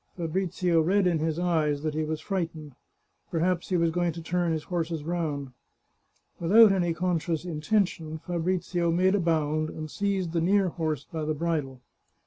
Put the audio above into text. Fabrizio read in his eyes that he was frightened ; perhaps he was going to turn his horses round. Without any conscious intention, Fa brizio made a bound, and seized the near horse by the bridle.